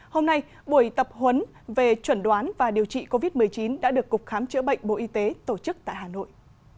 hôm nay buổi tập huấn về chuẩn đoán và điều trị covid một mươi chín đã được cục khám chữa bệnh bộ y tế tổ chức tại hà nội